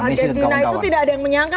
argentina itu tidak ada yang menyangka